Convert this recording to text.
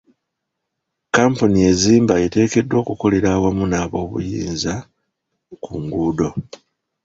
Kampuni ezimba eteekeddwa okukolera awamu n'abobuyinza ku nguudo.